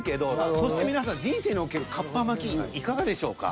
そして皆さん人生におけるカッパ巻きいかがでしょうか？